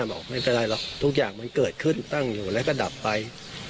บอกไม่เป็นไรหรอกทุกอย่างมันเกิดขึ้นตั้งอยู่แล้วก็ดับไป